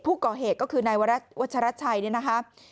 ผู้ก่อเหตุก็คือนายวัชรัชชัยเนี่ยนะคะ